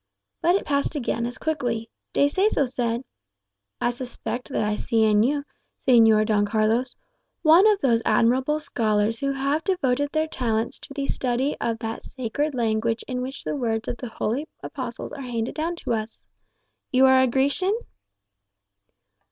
But it passed again as quickly. De Seso said, "I suspect that I see in you, Señor Don Carlos, one of those admirable scholars who have devoted their talents to the study of that sacred language in which the words of the holy apostles are handed down to us. You are a Grecian?"